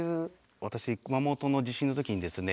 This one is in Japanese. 私熊本の地震の時にですね